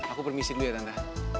aku permisi dulu ya tanda